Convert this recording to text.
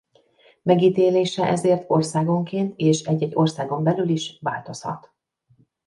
Megítélése ezért országonként és egy-egy országon belül is változhat.